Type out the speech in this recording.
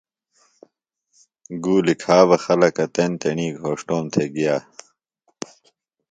گُولی کھا بہ خلکہ تیݨ تیݨی گھوݜٹوم تھےۡ گیہ۔